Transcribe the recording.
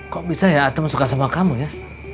kok bisa ya teman suka sama kamu ya